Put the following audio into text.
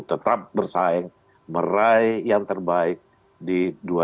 tetap bersaing meraih yang terbaik di dua ribu dua puluh